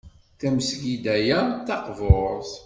Tamesgida-a d taqburt.